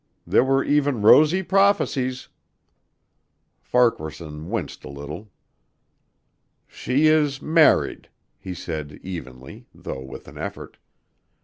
There were even rosy prophecies." Farquaharson winced a little. "She is married," he said evenly, though with an effort.